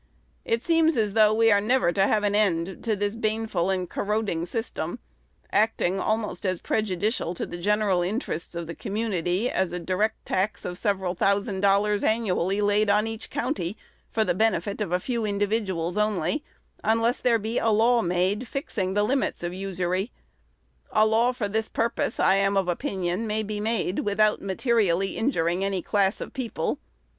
It seems as though we are never to have an end to this baneful and corroding system, acting almost as prejudicial to the general interests of the community as a direct tax of several thousand dollars annually laid on each county, for the benefit of a few individuals only, unless there be a law made fixing the limits of usury. A law for this purpose, I am of opinion, may be made, without materially injuring any class of people.